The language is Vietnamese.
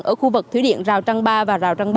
ở khu vực thủy điện giao trang ba và giao trang bốn